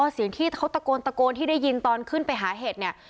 เสียงที่เขาตะโกนตะโกนที่ได้ยินตอนขึ้นไปหาเห็ดเนี่ย